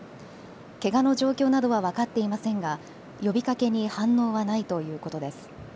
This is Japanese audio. けがの状況などは分かっていませんが、呼びかけに反応はないということです。